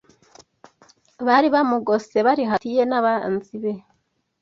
bari bamugose bari hagati ye n’abanzi be